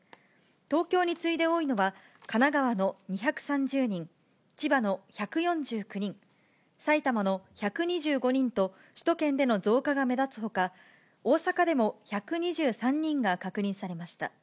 東京に次いで多いのは、神奈川の２３０人、千葉の１４９人、埼玉の１２５人と、首都圏での増加が目立つほか、大阪でも１２３人が確認されました。